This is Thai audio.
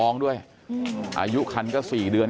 กลุ่มตัวเชียงใหม่